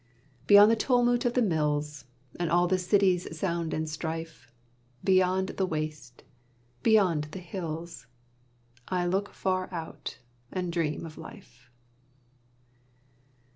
Beyond the tumult of the mills, And all the city's sound and strife, Beyond the waste, beyond the hills, I look far out and dream of life.